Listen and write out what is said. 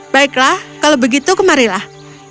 baiklah kalau begitu kemarilah